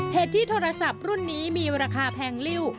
เหตุที่โทรศัพท์รุ่นนี้มีราคาแพงลิ้ว